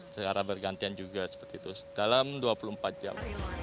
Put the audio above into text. secara bergantian juga seperti itu dalam dua puluh empat jam